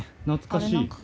懐かしい？